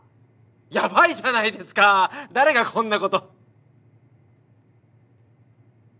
ヤバイじゃないですか誰がこんなこと。